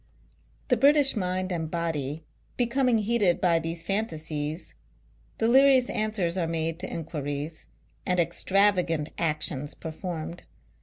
The British mind and body becoming heated by these fantasies, delirious answers are made to inquiries, and extravagant actions performed.